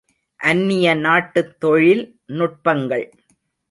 அந்நிய நாட்டுத் தொழில் நுட்பங்கள்!